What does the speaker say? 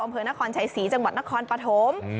อำเภอนครชัยศรีจังหวัดนครปฐม